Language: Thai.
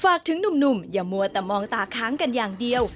ฝากถึงหนุ่มอย่ามัวแต่มองตาค้างกันอย่างเดียว